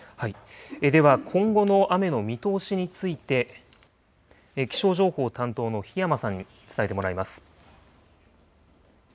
では、今後の雨の見通しについて、気象情報担当の檜山さんに伝えてもらいます。